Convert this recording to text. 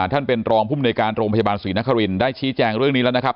ท่านเป็นรองภูมิในการโรงพยาบาลศรีนครินได้ชี้แจงเรื่องนี้แล้วนะครับ